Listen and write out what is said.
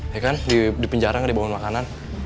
ya kan di penjara gak dibawa makanan